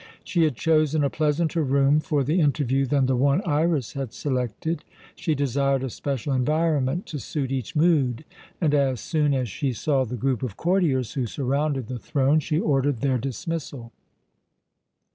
She had chosen a pleasanter room for the interview than the one Iras had selected. She desired a special environment to suit each mood, and as soon as she saw the group of courtiers who surrounded the throne she ordered their dismissal.